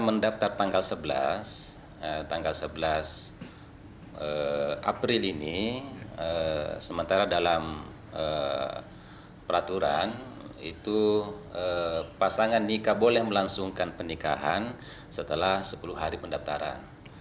mendaftar tanggal sebelas tanggal sebelas april ini sementara dalam peraturan itu pasangan nikah boleh melangsungkan pernikahan setelah sepuluh hari pendaftaran